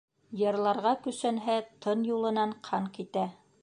Йырларға көсәнһә, тын юлынан ҡан китә.